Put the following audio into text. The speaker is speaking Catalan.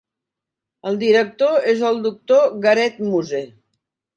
El director és el doctor Garett Muse.